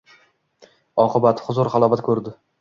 Oqibat — huzur-halovat ko‘rdi.